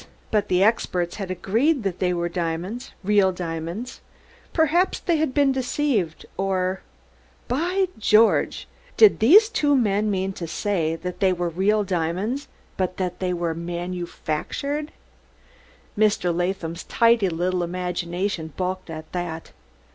But the experts had agreed that they were diamonds real diamonds! Perhaps they had been deceived, or by George! Did these two men mean to say that they were real diamonds, but that they were manufactured? Mr. Latham's tidy little imagination balked at that.